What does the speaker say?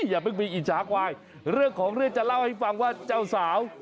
อย่าเพิ่งบอนต่ออิจฉาควายเรื่องของเรียนจะเล่าให้ตัวเนี่ย